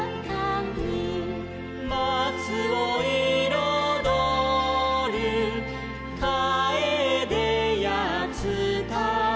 「まつをいろどるかえでやつたは」